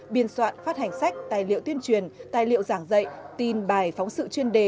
biên soạn phát hành sách tài liệu tuyên truyền tài liệu giảng dạy tin bài phóng sự chuyên đề